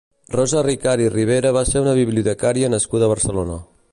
Rosa Ricart i Ribera va ser una bibliotecària nascuda a Barcelona.